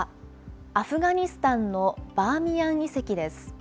アフガニスタンのバーミヤン遺跡です。